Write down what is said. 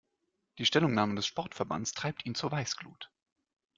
Die Stellungnahme des Sportverbands treibt ihn zur Weißglut.